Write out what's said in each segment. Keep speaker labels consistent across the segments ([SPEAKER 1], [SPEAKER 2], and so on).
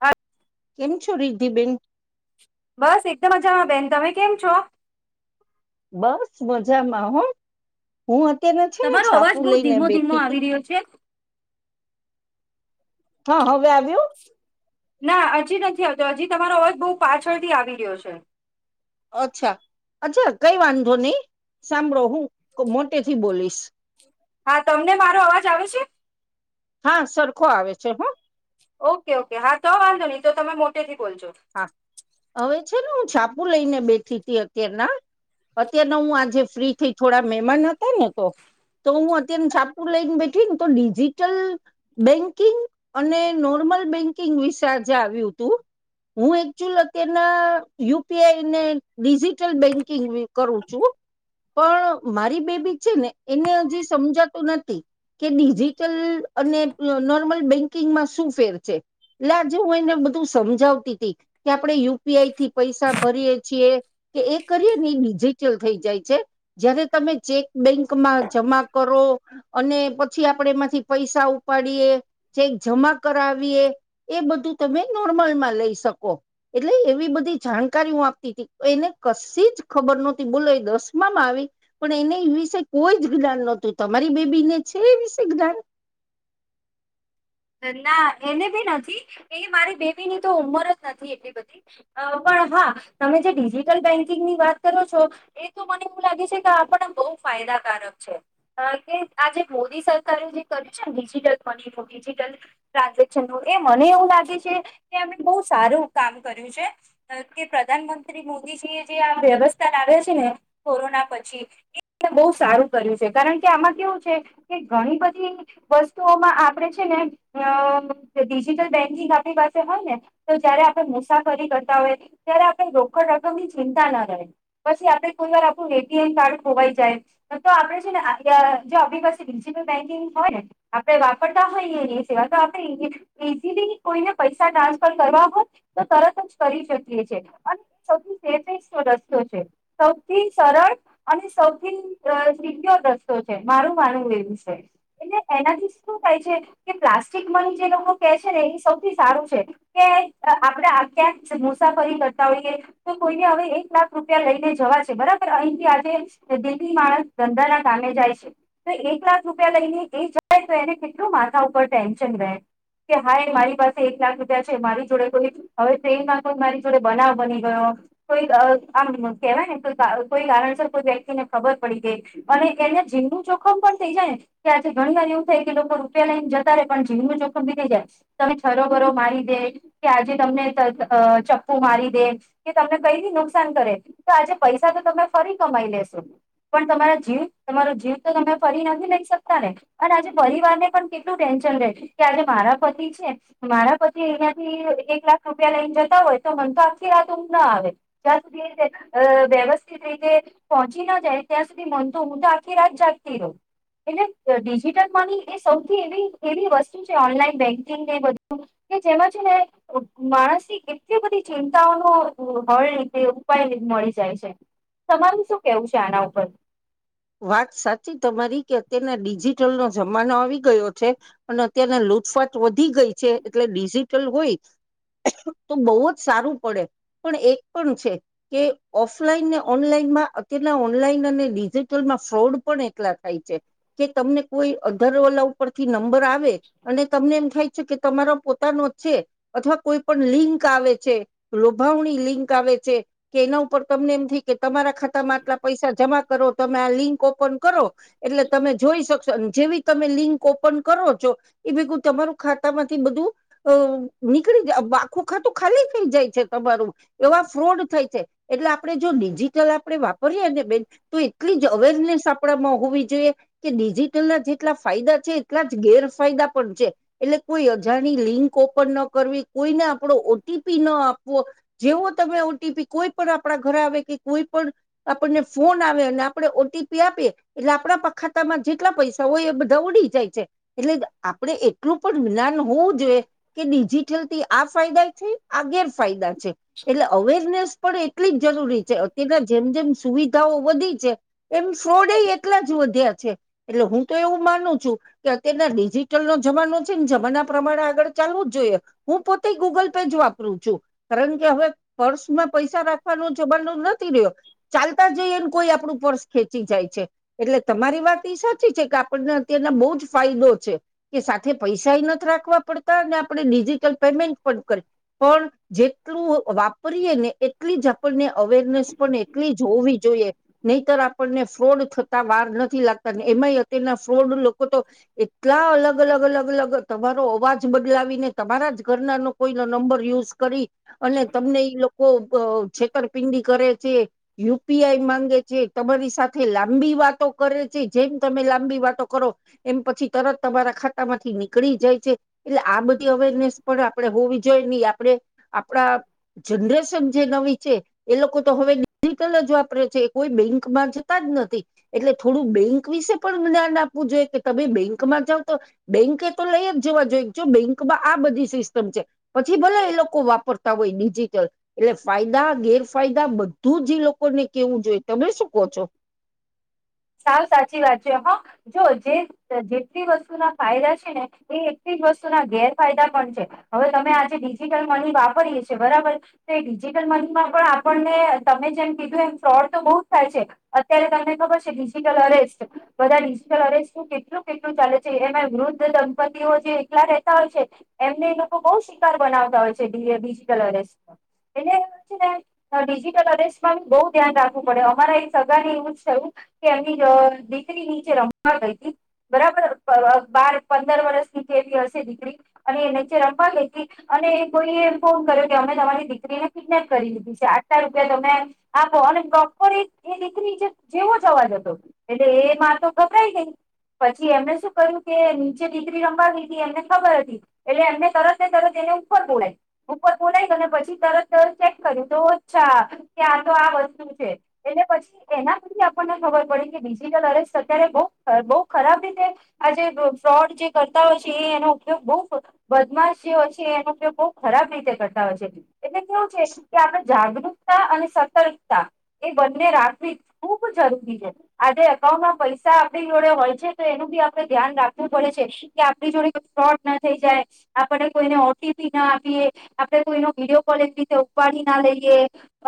[SPEAKER 1] હા
[SPEAKER 2] કેમછો રિધિ બેન
[SPEAKER 1] બસ એકદમ મજામાં બેન તમે કેમ છો
[SPEAKER 2] બસ મજામાં હ હું અત્યારે છે ને
[SPEAKER 1] તમારો
[SPEAKER 2] છાપુ
[SPEAKER 1] અવાજ બહુ
[SPEAKER 2] લઈને
[SPEAKER 1] ધીમો
[SPEAKER 2] બેઠી
[SPEAKER 1] ધીમો
[SPEAKER 2] હતી
[SPEAKER 1] આવી રહ્યો છે
[SPEAKER 2] હા હવે આવ્યું
[SPEAKER 1] ના હજી નથી આવતો હજી તમારો અવાજ બહુ પાછળથી આવી રહ્યો છે
[SPEAKER 2] અચ્છા આંચન કઈ વાંધો નહી સાંભળો હું મોટે થી બોલીશ
[SPEAKER 1] હા તમને મારો અવાજ આવે છે
[SPEAKER 2] હા સરખો આવે છે હો
[SPEAKER 1] ઓકે ઓકે હા તો વાંધો નહી તો તમે મોટેથી બોલજો
[SPEAKER 2] હા હવે છે ને હું છાપુ લઈને બેઠીતી અત્યારના અત્યારના હું આજે ફ્રી થથી થોડા મહેમાન હતા ને તો તો હું અત્યંત છાપ હું લઈને બેઠી ને તો ડિજિટલ બેન્કિંગ અને નોર્મલ બેન્કિંગ વિશે આજે આવ્યું હતું હું એકચુઅલ અત્યારના યુપીઆઈને ડિજિટલ બેન્કિંગ કરું છું પણ મારી બેબી છે ને એને હજી સમજાતું નથી કે ડિજિટલ અને નોર્મલ બેંકિંગમાં શું ફેર છે એટલે આજ હું એને બધું સમજાવ આપણે યુપીઆઈ થી પૈસા ભરીય છીએ કે એ કરીએ ને એ ડિજિટલ થઈ જાય છે જયારે તમે ચેક બેંકમાં જમા કરો અને પછી આપણે એમાંથી પૈસા ઉપાડીએ ચેક જમા કરાવીએ એ બધું તમે નોર્મલમાં લઈ શકો એટલે એવી બધી જાણકારી હૂ આપતીતી એને કશી જ ખબર નહતી બોલો એ દસમામાં આવી પણ એને એ વિશે કોઈ જ જ્ઞાન નહતું તમારી બેબી ને છે એ શકધ
[SPEAKER 1] ના એને બી નથી એ મારી બેબી ની તો ઉંમર જ નથી એટલી બધી પણ હા તમે જે ડિજિટલ બેન્કિંગ ની વાત કરો છો એ તો મને એવું લાગે છે કે આપને બહુ ફાયદાકારક છે કે આ જે મોદી સરકારે જે કર્યું છે ને ડિજિટલ મની ડિજિટલ ટ્રાન્ઝેક્શન ન એ મને એવું લાગે છે કે એમને બહુ સારું કામ કર્યું છે કે પ્રધાનમંત્રી મોદીજી એ જે આ વ્યવસ્થા લાવ્યા છે ને કોરોના પછી એ બહુ સારું કર્યું છે કારણ કે આમાં કેવું છે કે ઘણી બધી વસ્તુઓમાં આપણે [unintelligible] ને ડિજિટલ બેન્કિંગ આપણી પાસે હોય ને તો જયારે આપણે મુસાફરી કરતા હોય ત્યારે આપણે રોકડ રકમની ચિંતા ના રહે પછી આપડે કોઈ વાર આપણું એટીએમ કાર્ડ ખોવાઈ જાય તો આપડે છે ને જો આપણી પાસે ડિજિટલ બેન્કિંગ હોય ને આપે વાપર [unintelligible] આપણે ઈઝી ઈઝીલી કોઈને પૈસા ટ્રાન્સફર કરવા હો તો તરત જ કરી શકીએ છે અને સૌથી સેફસ્ટ રસ્તો છે સૌથી સરળ અને સૌથી સિપ્યોર રસ્તો છે મારું માનવું એવું છે એટલે એનાથી સુ પ્લાસ્ટિક મની જે લોકો કે છે ને એ સૌથી સારું છે કે આપણે આ ક્યાંક મુસાફરી કરતા હોઈએ તો કોઈને હવે એક લાખ રૂપિયા લઈને જવા છે બરાબર અહીથી આજે દિલ્હી માણસ ધંધા ના કામે જાય છે તો એક લાખ રૂપિયા લઈને એ જ તો એને કેટ માથા ઉપર ટેન્શન રહે કે હાય મારી પાસે એક લાખ રૂપિયા છે મારી જોડે કોઈ હવે ટ્રેનમાં કોઈ મારી જોડે બનાવ બની ગયો કોઈ આમ કેહેવાય ને કો કોઈ કારણસર કોઈ વ્યક્તિને ખબર પડી ગઈ અને એને જીમનું જોખમ પણ થઈ જાય ને કે આજે ઘણી વાર એવું થઈ કે લોકો રૂપિયા લઇ જતા ર પણ જીવ ન જોખમ બી થઈ જાય તમે છરોભરો મારી દે કે આજે તમને ચપ્પુ મારી દે કે તમને કઈથી નુકસાન કરે તો આજે પૈસા તો તમે ફરી કમાઈ લેશો પણ તમારા જીવ તમારો જીવ તો તમે ફરી નથી લઈ શકતા ને અને આજે પરિવારને પણ કેટલું ટેન્શન રહે કે આજે મારા પતિ છે મારા પતિ અહંથી એક લાખ રૂપિયા લઈને જતા હોય તો મન તો આખી રાત ના આવે જ્યાં સુધી વ્યવસ્થિત રીતે પહોંચી ના જાય ત્યાં સુધી મન તો હું તો આખી રાત જાગતી રહું એટલે ડિજિટલ મની એ સૌથી એવી એવી વસ્તુ છે ઓનલાઈન બેંકિંગ એ બધું કે જેમાં છે ને માણસની કેટલી બધી ચિંતાઓનો હળ રીતે ઉપાય મળી જાય છે તમારું શું કેવું છે આના ઉપર
[SPEAKER 2] વાત સાચી તમારી કે અત્યારના ડિજિટલનો જમાનો આવી ગયો છે અને અત્યારના લૂટફાટ વધી ગઈ છે એટલે ડિજિટલ હોય તો બહુ જ સારું પડે પણ એક પણ છે કે ઓફલાઈન ને ઓનલાઈનમાં અત્યારના ઓનલાઈન અને ડિજિટલ ફ્રોડ પણ એટલા થાય છે કે તમને કોઈ અધરવલાઉ ઉપથી નંબર આવે અને તમને એમ થાય છે કે તમારો પોતાનો છે અથવા કોઈ પણ લિંક આવે છે લોભાવણી લિંક આવે છે કે એના ઉપર તમને એમ થી કે તમારા ખાતા માં આટલા પૈસા જમા કરો તમે આ લિંક ઓપન કરો એટલે તમે જોઈ શકશો અને જેવી તમે લિંક ઓપન કરો છો એ ભેગું તમારું ખાતા માંથી બધું અ નીકળી જાય આખું ખાતું ખાલી થઈ જાય છે તમારું એવા ફ્રોડ થાય છે એટલે આપડણે જો ડિજિટલ આપણેે વાપરીએ ને બેન તો પલી અવેરનેસ આપ આપણામાં હોવી જોઈએ કે ડિજિટલ ના જેટલા ફાયદા છે એટલા જ ગેરફાયદા પણ છે એટલે કોઈ અજાણી લિંક ઓપન ન કરવી કોઈને આપડો ઓટીપી ના આપવો જેવો તમે ઓટીપી કોઈ પણ આપડા ઘરે આવે કે કોઈ પણ આપણને ફોન આવે અને આપણે ઓટીપી આપીએ એટલે આપણા ખાતામાં જેટલા પૈસા હોય એ બધા ઉડી જાય છે એટલે આપડે એટલું પણ જ્ઞાન હોવું જોઈએ કે ડિજીિટલ થી આ ફાયદા છે આગેરફાયદા છે એટલે અવેરનેસ પણ એટલી જ જરૂરી છે અત્યારે જેમ જેમ સુવિ ધા ઓ વધી છે. એમ ફ્રોડ એ એટલા જ વધ્યા છે એટલે હું તો એવું માનું છું કે અત્યારના ડિજિટલનો જમાનો છે ને જમાના પ્રમાણે આગળ ચાલવું જ જોઈએ હું પોતે ગૂગલ પે જ વાપરું છું કારણ કે હવે પર્સમાં પૈસા રાખવાનો જમાનો નથી રહ્યો ચાલતા જઈએને કોઈ આપણું પર્સ ખેંચી જાય છે એટલે તમારી વાત એ સાચી છે કે આપણને અત્યારના બો જ ફાયદો છે કે સાથે પૈસા નથી રાખવા પડતા અને આપણે ડિજિટલ પેમેન્ટ પણ કરી પણ જેટલું વાપરીએ ને એટલી જ આપણને અવેરનેસ પણ એટલી જ હોવી જોઈએ. નહીતર આપ પને ફ્રોડ થતા વાર નથી લાગતા એમાં અત્યારના ફ્રોડ લોકો તો એટલા અલગ અલગ અલગ અલગ તમારો અવાજ બદલાવીને તમારા જ ઘરના ન કોઈનો નંબર યુઝ કરી અને તમને ઈ લો કો અ છેતરપિંડી કરે છે યુ પી આઈ માંગે છે. તમારી સાથે લાંબી વાતો કરે છે જેમ તમે લાંબી વાતો કરો એમ પછી તરત તમારા ખાતા માંથી નીકળી જાય છે એટલે આ બધી અવેરનેસ પણ આપણે હોવી જોઈએ ની આપડે આપણા જનરેશન જે નવી છે એ લોકો તો હવે ડિજિટલ જ વાપરે છે કોઈ બેં જતા જ નથી એટલે થોડું બેંક વિશે પણ જ્ઞાન આપવું જોઈએ કે તમે બેંકમાં જાવ તો બેંકે એ તો લઈ જ જવા જોઈએ જો બેંકમાં આ બધી સિસ્ટમ છે પછી ભલે એ લોકો વાપરતા હોય ડિજિટલ એટલે ફાયદા ગેરફાયદા બધું જ એ લોકોને કેવું જોઈ તમે શું કોચો
[SPEAKER 1] સાવ સાચી વાત છે હા જો જે જેટલી વસ્તુના ફાયદા છે ને એ એટલી જ વસ્તુના ગેરફાયદા પણ છે હવે તમે આજે ડિજિટલ મની વાપરીએ છે બરાબર તો એ ડિજિટલ મનીમાં પણ આપણને તમે જેમ કીધું એમ ફ્રોડ તો બહુ જ થાય છે અત્યારે તમને ખબર છે. અરેસ્ટ બધા ડિટલ અરેસ્ટું કેટલું કેટલું ચાલે છે એમાં વૃદ્ધ દંપતિઓ જે એકલા રહેતા હોય છે એમને એ લોકો બો શિકાર બનાવતા હોય ડીજીટલ અરેસ્ટ એટલે ને ડિજિટલ અરેસ્ટમાં બો ધ્યાન રાખવું પડે અમારા એ સગા ને એવું થયુ કે એમની અ દીકરી નીચે રમવા ગઈ હતી બરાબર બાર પંદર વરષ ની જેવી હશે દીકરી અને એ નીચે રમવા ગઈ હતી અને કોઈએ ફોન કર્યો કે અમે તમારી દીકરીને કિડનેપ કરી લીધી છે આટલા રૂપિયા તમે આપો અને પ્રોપર એ દીકરી જેવો જ સવાલ હતો એટલે એમાં તો ગભરાય નઈ પછી એમને શું કર્યું કે નીચે દીકરી રમવાાવી હતી એમને ખબર હતી એટલે એમને તરત ને તરત એને ઉપર બોલાઈ ઉપર બોલાય અને પછી તરત તર ચેક કર્યું તો અચ્છા કે આ તો આ વસ્તુ છે એટલે પછી એના પરથી ને ખબર પડી કે બિજીટલ અરેસ્ટ અત્યારે બો બો ખરાબ રીતે આ જે ફ્રોડ જે કરતા હોય છે એનો ઉપયોગ બો બદમાશ જે હોય છે એનો ઉપયોગ બહ ખરાબ રીતે કરતા હોય છે. એટલે કેવું છે કે આપડે જાગૃ તા અને સતર્કતા એ બંને રાખવી જ જરૂરી છે આજે એકકાઉન્ટમાં પૈસા આપણી જોડે હોય છે તો એનું બી આપડે ધ્યાન રાખવું પડે છે કે આપણી જોડે કો ફ્રોડ ના થઈ જાય આપડે કોઈને ઓ ટી પી ના આપીએ આપણે કોઈનો વિડીયો કોલિ રીતે ઉપાડી ના લઈએ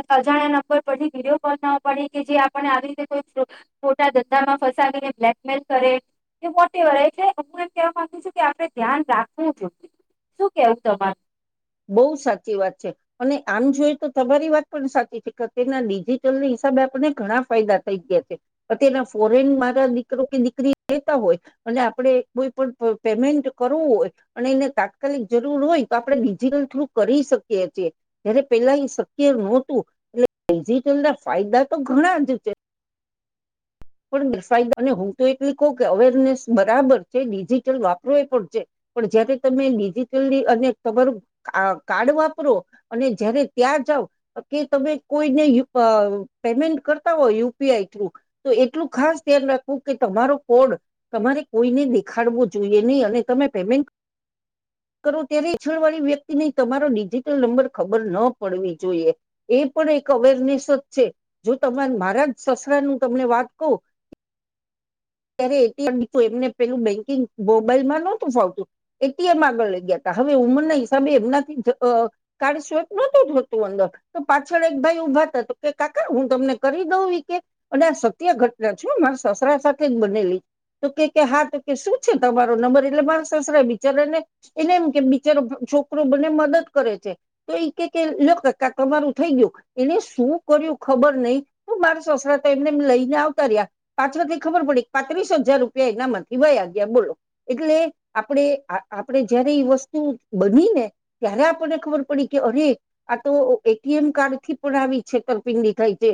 [SPEAKER 1] અજાણ્યા નંબર પરથી વિડીયો કોલ ના ઉપાડીએ કે જે આપને આવી રીતે કોઈ મોટા ધંધામાં ફસાવીને બ્લેકમેલ કરે કે વોટ એવર એ હું એમ કેવા માંગુ છું કે આપણે ધ્યાન રાખવું જોઈએ શું કેવું તમા
[SPEAKER 2] બોવ સાચી વાત છે અને આમ જોઈએ તો તમારી વાત પણ સાચી છે કે અતયારના ડિજિટલની હિસાબે આપને ઘણા ફાયદા થઈ ગયા છે અતયારના ફોરેન મારા દીકરો કે દીકરી રહેેતા હોય અને આપડે કોઈ પણ પેમેન્ટ કરવું હોય અને એને તાત્કાલિક જરૂર હોય તો આપણે ડિજટલ થ્રુ કરી શકીએ છીએ જયારે પેલા એ શક્ય ન હોતું એટલે ડિજિટલ ના ફાયદા તો ઘણા જ છે. પણ ઘેર ફાયદા પણ હું તો એટલી કહું કે અવેરનેસ બરાબર છે ડિજિટલ વાપરો એ પણ છે પણ જયારે તમે ડિજિટલી અને તમારું કાર્ડ વાપરો અને જયારે ત્યાં જાવ કે તમે કોઈને અ પેમેન્ટ કરતા હોય યુ પી આઈ થ્રુ તો એટલું ખાસ ધ્યાન રાખવું કે તમારો કોડ તમારે કોઈને દેખાડવો જોઈએ ની અને તમે પેમેન્ટ કરો ત્યારે પાછડ વાળી વ્યક્તિને તમારો ડિજિટલ નંબર ખબર ન પડવી જોઈએ એ પણ એક અવેરનેસ જ છે જો તમારે મારા જ સસરાનું તમને વાત કવ ત્યારે એ એમને પેલું બેંકિંગ મોબાઈલમાં નહોતું ફાવતું એટીએમ આગળ લઈ ગયા હતા હવે ઉંમરના હિસાબે એમનાથી અ કાર્ડ સ્વેપ નતું જતું અંદર તો પાછળ એક ભાઈ ઉભા તા કે કાકા હું તમને કરી દઉં કે અને આ સત્ય ઘટના છું મારા સસરા સા થે જ બનેલી તો કે હા તો કે શું છે તમારો નંબર એટલે મારા સસરા બિચારાને એને એમ કે બિચારો છોકરો બને મદદ કરે છે તો એ કે તમારું થઈ ગયું એને શું કર્યું ખબર નય માાર સસરા તો એમને લઈને આવતા રહ્યા પાછળથી ખબર પડી પાંત્રીસ હજાર રૂપિયા એનામાંથી વયા ગયા બોલો એટલે આપણે આપણેે જયારે ઈ વસ્તુ બની ને ત્યારે આપણને ખબર પડી કે અરે આ તો એટીએમ કાર્ડ થી પણ આવી છેતરપિંડી થાય છે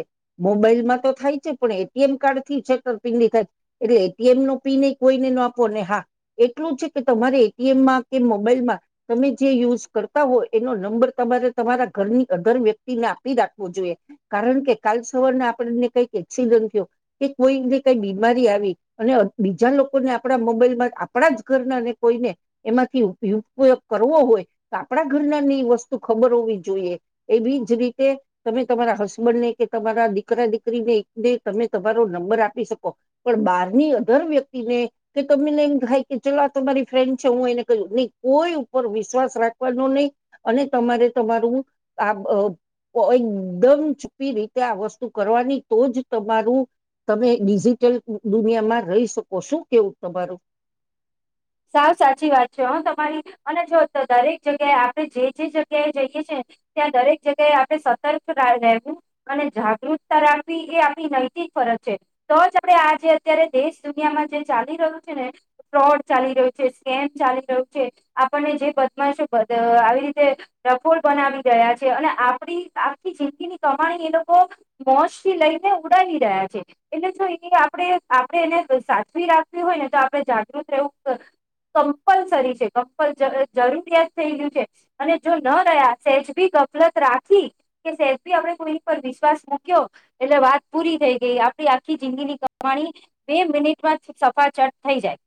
[SPEAKER 2] મોબાઈલમાં તો થાય છે પણ એટી એમ કાર્ડ થી છેતર પીડી એટલે એ ટી એમ નો પીન કોઈને આપો ને હા એટલું છે કે તમારે એ ટી એમમાં કે મોબાઈલમાં તમે જે યુઝ કરતા હો એનો નંબર તમારે તમારા ઘરની અગર વ્યક્તિને આપી રાખવો જોઈએ કારણ કે કાલ સવાર આપણને કઈક એક્સિડન્ટ થયો કે કોઈને કઈ બીમારી આવી અને બીજા લોકોને આપણા મોબાઈલમાં આપણા જ ઘરના અને કોઈને એમાંથી ઉપયોગ કરવો હોય તો આપણા ઘરના એ વસ્તુ ખબર હોવી જોઈએ એવીજ રીતે તમે તમારા હસબન્ડને કે તમારા દીકરા દીકરીને ને તમે તમારો નંબર આપી શ કો પણ બારની અધર વ્યક્તિને કે તમને એમ થાય કે ચલો આ તમારી ફ્રેન્ડ છે હું એને કયુ ની કોઈ ઉપર વિશ્વાસ રાખવાનો ની અને તમારે તમારું આ અ એકદમ ચુપી રીતે આ વસ્તુ કરવાની તો જ તમારું તમે બીજી [unintelligible] દુનિયામાં રહી શકો શું કેવું તમારું
[SPEAKER 1] સાવ સાચી વાત છે હ તમારી અને જો દરેક જગ્યાએ આપણે જે જે જગ્યાએ જઈએ છે ત્યાં દરેક જગ્યાએ આપણે સતર્ક રહેેવું અને જાગૃતતા રાખવી એ આપણી નૈતિક ફરજ છે તો જ આપણે આ જે અત્યારે દેશ દુનિયામાં જે ચાલી રહ્યું છે ને ફ્રોડ ચાલી રહ્યું છે સ્કેમ ચાલી રહ્યું છે આપણને જે બદમાશો આવી રીતે રફોર બનાવી જાય આજે અને આપડી આખી જિંદગીની કમાણી એ લોકો મોજ થી લઈને ઉડાવી રહ્યા છે એટલે જો એ આપણે આપણે એને સાચવી રાખવી હોય ને તો આપણે જાગૃત રહેવું કમપલસરી છે કમપલ જરૂરિયાત થઈ ગયું છે અને જો ન રહ્યા સેજબી ગફલત રાખી કે સેજભી આપણે કોઈ પર વિશ્વાસ મૂક્યો એટલે વાત પૂરી થઈ ગઈ આપણી આખી જિંદીની કમાણી બે મિનિટમાં સફાચટ થઈ જાય.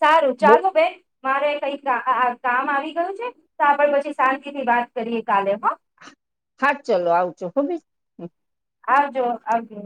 [SPEAKER 1] સારું
[SPEAKER 2] બઉ
[SPEAKER 1] ચાલુ બેન મારે કઈ કાઆ કામ આવી ગયું છે તો આપડ પછી શાંતિ થી વાત કરીએ કાલે હ
[SPEAKER 2] હા ચલો આવજો હો બે
[SPEAKER 1] આવજો આવજો